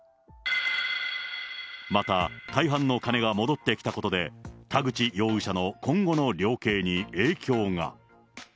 また大半の金が戻ってきたことで、田口容疑者の今後の量刑に影響が。